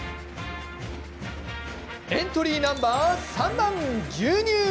エントリーナンバー３番、牛乳。